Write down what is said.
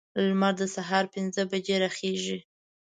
لمر د سهار پنځه بجې راخیزي.